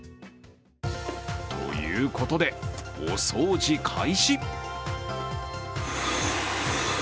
ということで、お掃除開始。